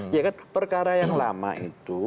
ya kan perkara yang lama itu